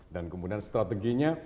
dan kemudian strateginya